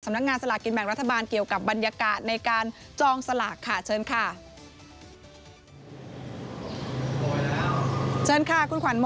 นักงานสลากินแบ่งรัฐบาลเกี่ยวกับบรรยากาศในการจองสลากค่ะเชิญค่ะ